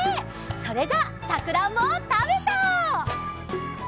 それじゃあさくらんぼをたべちゃおう！